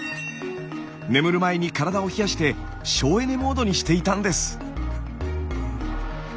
眠る前に体を冷やして省エネモードにしていたんです。